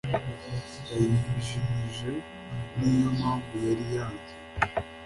yayijimije niyo mpamvu yari yanze